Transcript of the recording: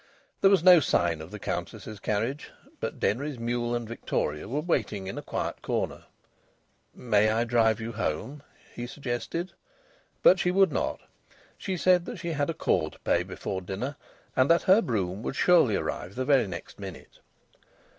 There was no sign of the Countess's carriage, but Denry's mule and victoria were waiting in a quiet corner. "May I drive you home?" he suggested. But she would not. She said that she had a call to pay before dinner, and that her brougham would surely arrive the very next minute.